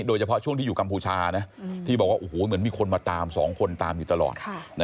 โดยเฉพาะช่วงที่อยู่กัมพูชานะที่บอกว่าเหมือนมีคนมาตาม๒คนตามอยู่ตลอด